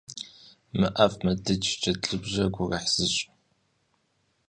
Мыӏэфӏ, мыдыдж, джэд лыбжьэр гурыхь зыщӏ.